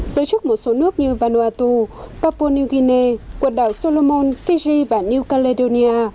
giới chức một số nước như vanuatu papua new guinea quần đảo solomon fiji và new caledonia